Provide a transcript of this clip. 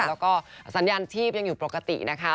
แล้วก็สัญญาณชีพยังอยู่ปกตินะคะ